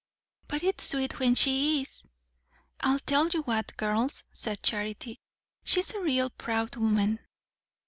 "But it's sweet when she is." "I'll tell you what, girls," said Charity, "she's a real proud woman."